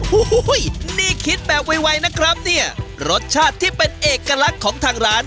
โอ้โหนี่คิดแบบไวนะครับเนี่ยรสชาติที่เป็นเอกลักษณ์ของทางร้าน